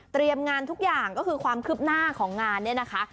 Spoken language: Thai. งานทุกอย่างก็คือความคืบหน้าของงานเนี่ยนะคะ